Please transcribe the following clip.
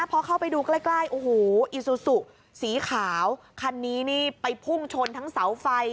พอเข้าไปดูใกล้อิซูสุสีขาวคันนี้นี่ไปพุ่งชนทั้งเสาไฟ